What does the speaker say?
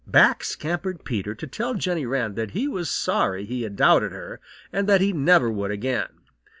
Back scampered Peter to tell Jenny Wren that he was sorry he had doubted her and that he never would again.